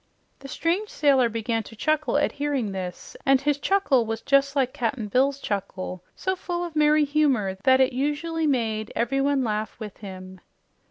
The strange sailor began to chuckle at hearing this, and his chuckle was just like Cap'n Bill's chuckle, so full of merry humor that it usually made everyone laugh with him.